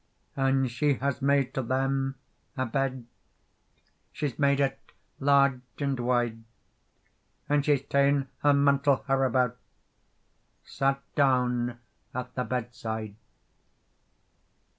And she has made to them a bed, She's made it large and wide; And she's taen her mantle her about, Sat down at the bedside.